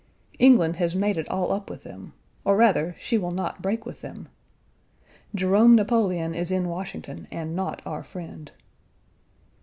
England has made it all up with them, or rather, she will not break with them. Jerome Napoleon is in Washington and not our friend.